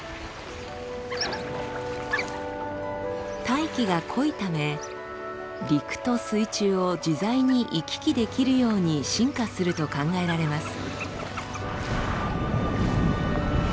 大気が濃いため陸と水中を自在に行き来できるように進化すると考えられます。